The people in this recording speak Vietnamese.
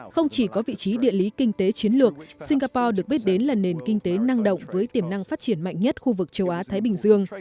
không chỉ có vị trí địa lý kinh tế chiến lược singapore được biết đến là nền kinh tế năng động với tiềm năng phát triển mạnh nhất khu vực châu á thái bình dương